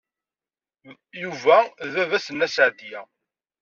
Yuba d baba-s n Nna Seɛdiya.